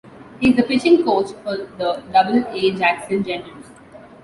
He is the pitching coach for the Double A Jackson Generals.